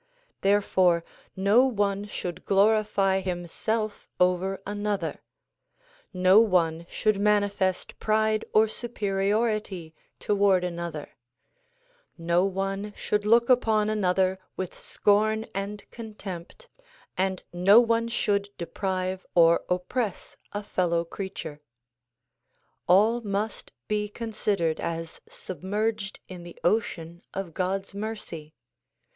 Therefore no one should glorify himself over another ; no one should manifest pride or superiority toward another ; no one should look upon another with scorn and contempt and no one should deprive or oppress a fellow creature. All must be considered as submerged in the ocean of God's mercy.